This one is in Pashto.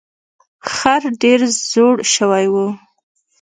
خر ډیر زوړ شوی و.